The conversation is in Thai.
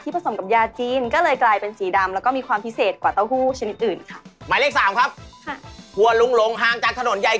มีจอดจริงก็เลยกลายเป็นสีดำแล้วก็มีความพิเศษกว่าเต้าหู้ชนิดอื่นค่ะ